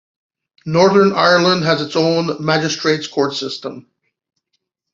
Northern Ireland has its own Magistrates' Court system.